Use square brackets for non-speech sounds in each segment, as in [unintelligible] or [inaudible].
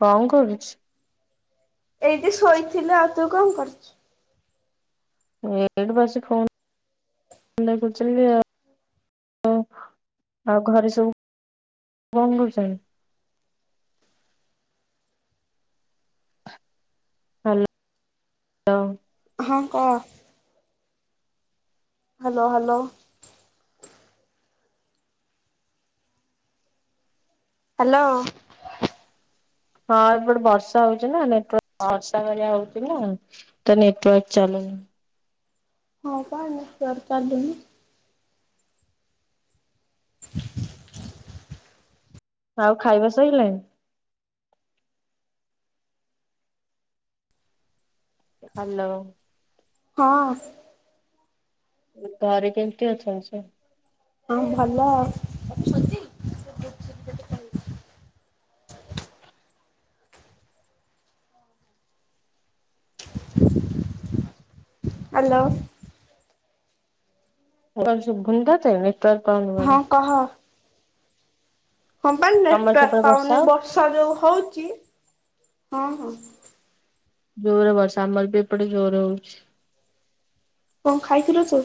କଣ କରୁଛି ଏଇଠି ଶୋଇଥିଲୁ ଆଉ ତୁ କଣ କରୁଚୁ? ଏଇଠି ବସି ଫୋନ୍ [inaudible] ଆଉ ଘରେ ସବୁ କଣ କରୁଛନ୍ ହା ଲୋ। ହଁ କଂ। Hello hello. ହାଲୋ। ହଁ ଏପଟେ ବର୍ଷା ହଉଛି ନା ନେଟୱାର୍କ ବର୍ଷା କରିବା ହଉଥିଲା। ତ ନେଟୱର୍କ ଚାଲୁନି। ହଁ ବା ନେଟୱାର୍କ ଚାଲୁନି। ଆଉ ଖାଇବା ସଇଲାଣି। ହାଲୋ। ହଁ। ଘରେ କେମିତି ଅଛନ୍ତି ସବୁ। ହଁ ଭଲ ହ୍ୟାଲୋ। ମୁଁ କହିଲି ଶୁଭୁନି ତୋତେ ନେଟୱର୍କ ପାଉନି ହଁ ବୋଲି। କହ। ହଁ ବା ତମର ନେଟୱର୍କ ସେପଟେ ପାଉନି ହଉ ବର୍ଷା ଯୋଉ ହଉଛି ହଁ ହଁ। ଜୋରେ ବର୍ଷା ଆମର ବି ଏପଟେ ଜୋରେ ହଉଛି। କଣ ଖାଇଥିଲୁ ତୁ?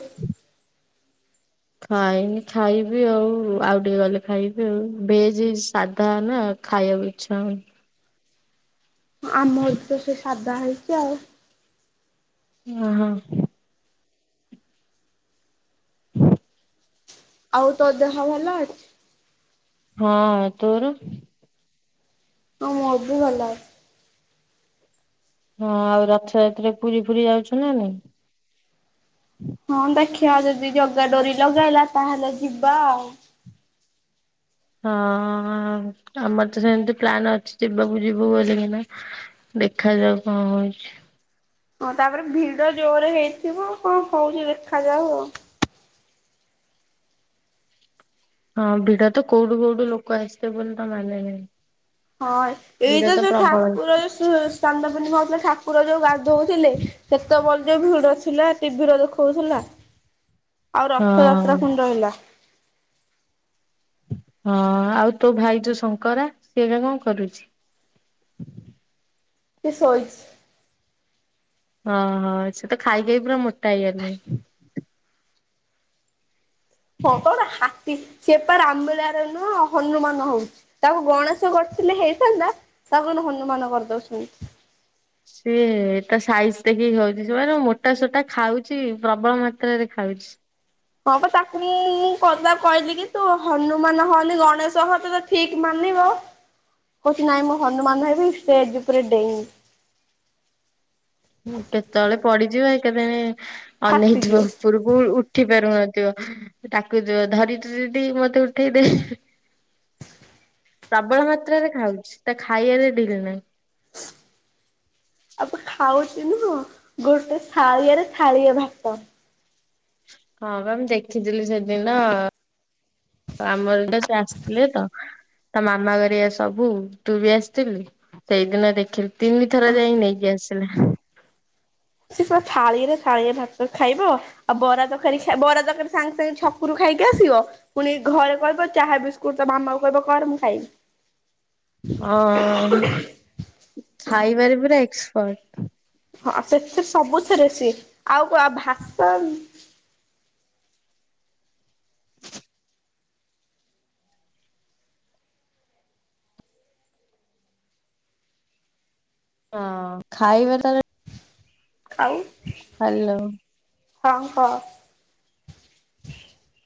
ଖାଇନି ଖାଇବି ଆଉ ଆଉ ଟିକେ ଗଲେ ଖାଇବି ଆଉ ଭେଜ ସାଧା ନା ଖାଇବା ବି ଚା ମିନି। ଆମର ତ ସେଇ ସାଧା ହେଇଛି ଆଉ। ହଁ ହଁ। ହଁ ଆଉ ତୋ ଦେହ ଭଲ ଅଛି? ହଁ ତୋର? ହଁ ମୁଁ ବି ଭଲ ଅଛି। ହଁ ଆଉ ରଥଯାତ୍ରା ପୁରୀ ଫୁରି ଯାଉଛ ନା ନାଇଁ? ହଁ ଦେଖିଆ ଯଦି ଜଗା ଡୋରି ଲଗାଇଲା ତାହେଲେ ଯିବା ଆଉ। ହଁ ଆମର ତ ସେମିତି ପ୍ଲ। ନ୍ ଅଛି ଯିବାକୁ ଯିବୁ ବୋଲକିନା। ଦେଖାଯାଉ କଣ ହଉଛି? ହଁ ତାପରେ ଭିଡ ଜୋରେ ହେଇଥିବ କଣ ହଉଛି ଦେଖାଯାଉ ଆଉ। ହଁ ଭିଡ ତ କୋଉଠୁ କୋଉଠୁ ଲୋକ ଆସିବେ ବୋଲି ତ ମାନେ ନାଇ। ହଁ ଏଇତ ଯୋଉ ଠାକୁର ଶୁ ଚାନ୍ଦପୁର୍ଣିମା ହଉଥିଲା ଠାକୁର ଯୋଉ ଗାଧଉଥିଲେ ସେତେବେଳେ ଯୋଉ ଭିଡ ଥିଲା ଟିଭିରେ ଦେଖଉଥିଲା। ଆଉ ହଁ ରଥଯାତ୍ରା ପୁଣି ରହିଲା। ହଁ ଆଉ ତୋ ଭାଇ ଯୋଉ ଶଙ୍କରା ସିଏ ଏବେ କଣ କରୁଛି? ସେ ସୋଇଛି। ଓଁହୋ ସେ ତ ଖାଇଖାଇ ପୁରା ମୋଟା ହେଇଗଲେଣି। ହଁ ପା ଗୋଟେ ହାତୀ ସେ ପା ରାମ ଲିଳା ରେ ନୁହଁ ହନୁମାନ ହଉଛି। ତାକୁ ଗଣେଶ କରିଥିଲେ ହେଇଥାନ୍ତା ତାକୁ କିନ୍ତୁ ହନୁମାନ କରିଦଉଛନ୍ତି। ସିଏ ତା ସାଇଜ ଦେଖିକି କହୁଛି ସେ ମାନେ ମୋଟା ସୋଟା ଖାଉଛି ପ୍ରବଳ ମାତ୍ରାରେ ଖାଉଛି। ହଁ ପା ତାକୁ ମୁ ମୁଁ କଦ କହିଲି କି ତୁ ହନୁମାନ ହନି ଗଣେଶ ହ ତୋତେ ଠିକ ମାନିବ କହୁଛି ନାଇଁ ମୁଁ ହନୁମାନ ହେବି ଷ୍ଟେଜ ଉପରେ ଡେଇଁବି। କେତେବେଳେ ପଡିଯିବ ଏକେବେଳେ ଅନେଇଥିବ ଫାଟିଯିବ। ଉପରକୁ ଉ ଉଠି ପାରୁନଥିବ ତାକୁ ଯୋ ଧରିତ୍ରି ଦିଦି ମତେ ଉଠେଇଦେ। ପ୍ରବଳ ମାତ୍ରାରେ ଖାଉଛି ତା ଖାଇବାରେ ଢିଲ ନାହିଁ। ଆପ ଖାଉଚି ନୁହଁ ଗୋଟେ ଥାଳିଆରେ ଥାଳିଏ ଭାତ। ହଁ ବା ମୁଁ ଦେଖିଥିଲି ସେଦିନ ଆମର ତ ସିଏ ଆସିଥିଲେ ତ। ତା ମାମା ଗେରିଆ ସବୁ ତୁ ବି ଆସିଥିଲୁ ସେଇଦିନ ଦେଖିଲୁ। ତିନିଥର ଯାଇିଁ ନେଇକି ଆସିଲା। ସେ ବା ଥାଳିରେ ଥାାଳିଏ ଭାତ ଖାଇବ। ଆଉ ବରା ତରକାରୀ ଖା ବରା ତରକାରୀ ସାଙ୍ଗେ ସାଙ୍ଗେ ଛକରୁ ଖାଇକି ଆସିବ ପୁଣି ଘରେ କହିବ ଚାହା ବିସ୍କୁଟ ତା ମାମା କୁ କହିବ କର ମୁଁ ଖାଇବି। ଆଁ ଖାଇବାରେ ପୁରା ଏକ୍ସପର୍ଟ। ହଁ ସେଥିରେ ସବୁଥିରେ ସିଏ ଆଉ କ ଭାତ ହଁ ଖାଇବା ତାର ଆଉ। ହ୍ୟାଲୋ। ହଁ କହ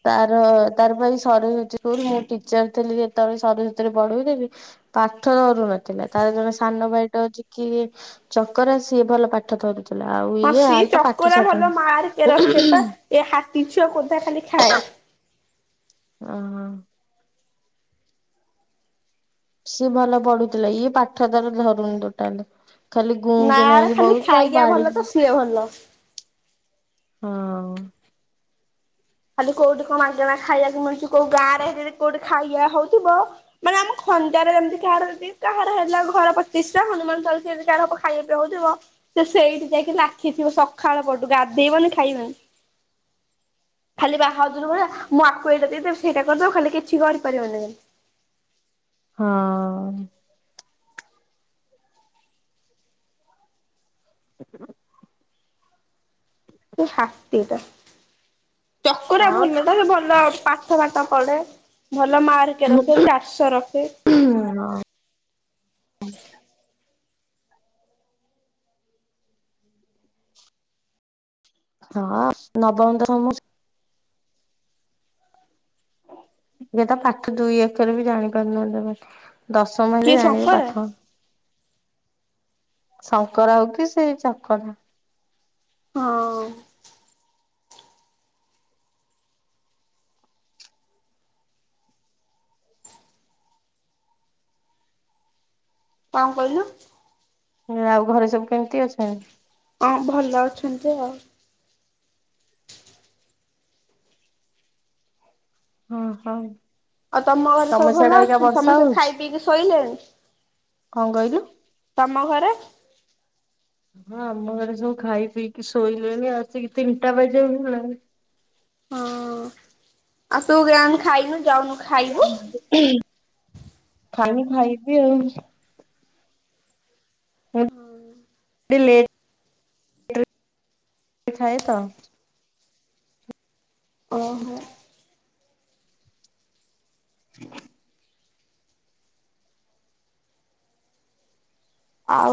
ତାର ତାର ଏପାଳି ସରୁଛି ସ୍କୁଲ ମୁଁ ଟିଚର ଥିଲି ଯେତେବେଳେ ସରସ୍ଵତୀ ରେ ପଢ଼ଉଥିଲି ପାଠ ଧରୁ ନଥିଲା ତାର ଜଣେ ସାନ ଭାଇଟେ ଅଛି କି ଚକରା ସିଏ ଭଲ ପାଠ ଧରୁଛି ଆଉ। ହଁ ଇଏ ସେ ଆର ତ ପାଠ ଚକରା ସାଠ ଭଲ ମାର୍କେ ରଖେ ପା ନାହିଁ। ଏ ହାତୀ ଛୁଆ କୋଦା ଖାଲି ଖାଏ ଓହ। ସିଏ ଭଲ ପଢୁଥିଲା ଇଏ ପାଠ ତାର ଧରୁନି ଟୋଟାଲି ଖାଲି ଗୁଁ କି ନା ନାରେ ହେଇକି ଖାଲି ବଉଛି ତ ଆଉ ଖାଇବା ଭଲ ବାଡେଇବି ତ ସିଏ ଭଲ। ହଁ। ଖାଲି କଉଠି କଣ ମାଗଣା ଖାଇବାକୁ ମିଳୁଛି କୋଉ ଗାଁରେ କି କୋଉଠି ଖାଇବା ହଉଥିବ ମାନେ ଆମ ଖଞ୍ଜାରେ ଯେମିତି କାହାର ବି କାହାର ହେଲା ଘର ପ୍ରତିଷ୍ଠା ହନୁମାନ ଚାଳିସା ଏମିତି କାହାର ହବ ଖାଇବା ପିଇବା ହଉଥିବ ସେ ସେଇଠି ଯାଇକି ଲାଖିଥିବ ସକାଳ ପହରଠୁ ଗାଧେଇବନି ଖାଇବନି ଖାଲି ବାହାଦରୁ ଭଳିଆ ମୁଁ ୟାକୁ ଏଇଟା ଦେଇଦେବି ସେଇଟା କରିଦବ ଖାଲି କିଛି କରିପାରିବନି ହଁ। ଟୁଟୁର୍ [inaudible] ସେ ହାତୀଟା ଚକରା ହଁ ଭଲ ଟା ସେ ଭଲ ପା ପାଠ ପଢେ ଭଲ ମାର୍କେ ରଖେ ଚାରିଷ ରଖେ ହଁ ନବମ ତ ସମ ଏ ତ ପାଠ ଦୁଇ ଅକ୍ଷରେ ବି ଜାଣି ପାରୁନାହାନ୍ତି ଦଶମ କିଏ ହେଲେ ଜାଣିବେ ଶଙ୍କରା ପାଠ। ଶଙ୍କରା ହଉ କି ସେଇ ଚକରା। ହଁ। କଣ କହିଲୁ? ନା ଆଉ ଘରେ ସବୁ କେମିତି ଅଛନ୍ତି? ହଁ ଭଲ ଅଛନ୍ତି ଆଉ। ହଁ ହଉ। ଆଉ ତମ ଘରେ ସବୁ ଭଲ ଅଛ? ସମସ୍ତେ ହଉଛି ଖାଇ ପିଇକି ଶୋଇଲେଣି? କଣ କହିଲୁ? ତମ ଘରେ? ହଁ ଆମ ଘରେ ସବୁ ଖାଇ ପିଇକି ଶୋଇଲେଣି ଆସିକି ତିନିଟା ବାଜିଯା କୁ ହେଲାଣି ହଁ ଆସୁ କେ [unintelligible] ଖାଇନି ଖାଇବି ଆଉ। ହ ଲେଟ [unintelligible] ରେ ଖାଏ ତ। ଓହୋ ଆଚ୍ଛା। [inaudible] ଆଉ?